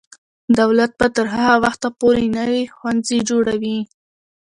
دولت به تر هغه وخته پورې نوي ښوونځي جوړوي.